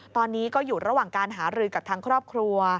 ตอนนี้ก็อยู่ระหว่างการหารือกับทางครอบครัว